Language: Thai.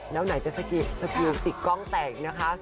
แล้วไหนจะสกิลจิกกล้องแตกอีกนะคะ